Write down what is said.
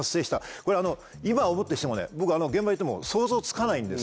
これ今をもってしても現場行っても想像つかないんです。